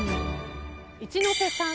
一ノ瀬さん